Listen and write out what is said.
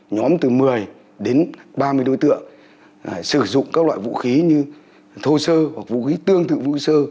nhóm từ một mươi đến ba mươi đối tượng sử dụng các loại vũ khí như thô sơ hoặc vũ khí tương tự vũ sơ